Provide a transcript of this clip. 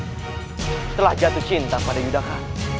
setelah jatuh cinta pada yudaha